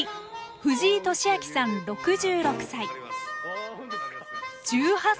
藤井敏昭さん６６歳。